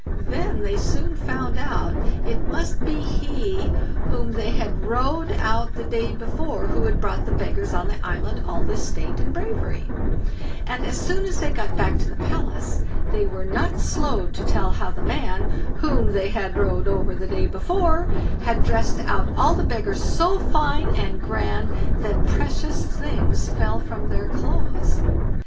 Then they soon found out it must be he whom they had rowed out the day before who had brought the beggars on the island all this state and bravery; and as soon as they got back to the palace, they were not slow to tell how the man, whom they had rowed over the day before, had dressed out all the beggars so fine and grand that precious things fell from their clothes.